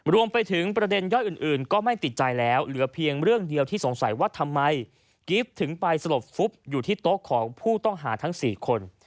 รวมไปถึงประเด็นย่อยอื่นก็ไม่ติดใจแล้วเหลือเพียงเรื่องเดียวที่สงสัยว่าทำไมกิฟต์ถึงไปสลบฟุบอยู่ที่โต๊ะของผู้ต้องหาทั้ง๔คน